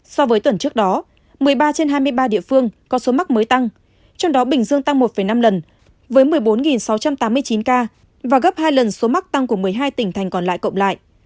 so với tuần trước đó một mươi ba trên hai mươi ba địa phương có số mắc mới tăng trong đó bình dương tăng một năm lần với một mươi bốn sáu trăm tám mươi chín ca và gấp hai lần số mắc tăng của một mươi hai tỉnh thành còn lại cộng lại